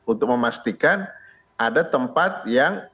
untuk memastikan ada tempat yang